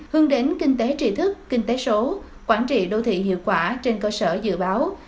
hướng đến kinh tế tri thức kinh tế số quản trị đô thị hiệu quả trên cơ sở dự báo